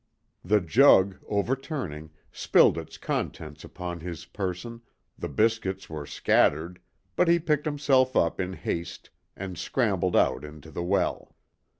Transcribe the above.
The jug, overturning, spilled its contents upon his person, the biscuits were scattered, but he picked himself up in haste and scrambled out into the well.